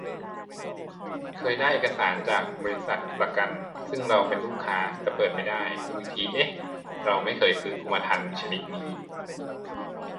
เคยได้เอกสารจากบ.ประกันซึ่งเราเป็นลูกค้า แต่เปิดไม่ได้ ดูอีกที เอ๊ะ เราไม่เคยซื้อกรมธรรม์ชนิดนี้